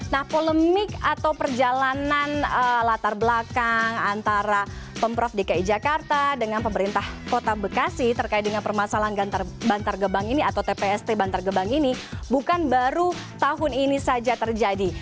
nah polemik atau perjalanan latar belakang antara pemprov dki jakarta dengan pemerintah kota bekasi terkait dengan permasalahan bantar gebang ini atau tpst bantar gebang ini bukan baru tahun ini saja terjadi